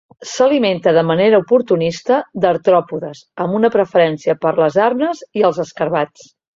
S'alimenta de manera oportunista d'artròpodes, amb una preferència per les arnes i els escarabats.